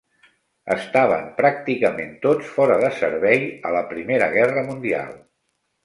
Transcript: Estaven pràcticament tots fora de servei a la Primera Guerra Mundial.